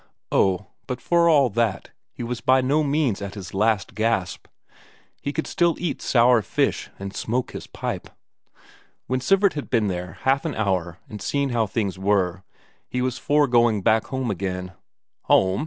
Oh, but for all that he was by no means at his last gasp; he could still eat sour fish and smoke his pipe. When Sivert had been there half an hour and seen how things were, he was for going back home again. "Home?"